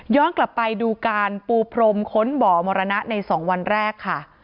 กลับไปดูการปูพรมค้นบ่อมรณะใน๒วันแรกค่ะ